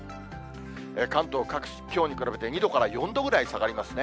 関東各地、きょうに比べて２度から４度ぐらい下がりますね。